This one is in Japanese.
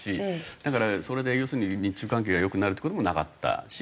だからそれで要するに日中関係が良くなるっていう事もなかったし。